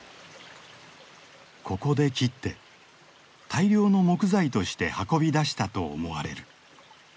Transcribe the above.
ここで切って大量の木材として運び出したと思われる。